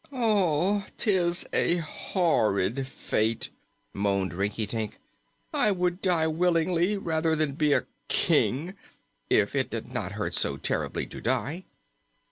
"'Tis a horrid fate!" moaned Rinkitink. "I would die willingly, rather than be a King if it did not hurt so terribly to die."